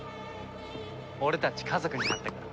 俺たち家族になったから。